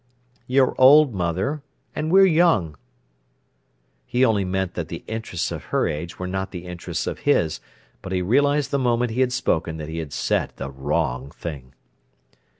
"You're old, mother, and we're young." He only meant that the interests of her age were not the interests of his. But he realised the moment he had spoken that he had said the wrong thing.